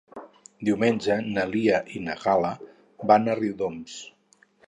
Diumenge na Lia i na Gal·la van a Riudoms.